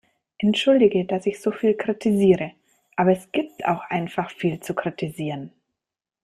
Entschuldige, dass ich so viel kritisiere, aber es gibt auch einfach viel zu kritisieren.